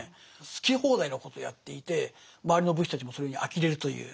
好き放題なことをやっていて周りの武士たちもそれにあきれるという。